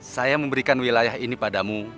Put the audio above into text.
saya memberikan wilayah ini padamu